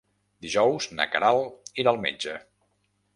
Dijous na Queralt irà al metge.